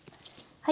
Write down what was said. はい。